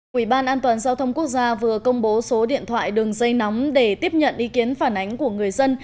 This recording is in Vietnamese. quỹ ban an toàn giao thông quốc gia vừa công bố số điện thoại đường dây nóng để tiếp nhận ý kiến phản ánh của người dân